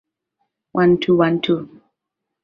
Mipango ya usafi wa mazingira jadi vijijini wameshindwa